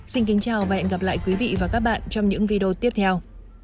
xin kính chào và hẹn gặp lại quý vị và các bạn trong những video tiếp theo